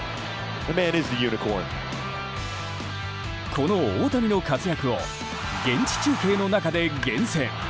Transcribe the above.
この大谷の活躍を現地中継の中で厳選。